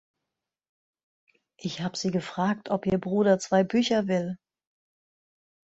Ich hab sie gefragt, ob ihr Bruder zwei Bücher will.